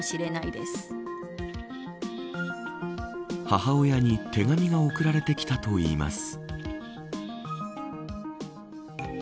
母親に手紙が送られてきたといいます。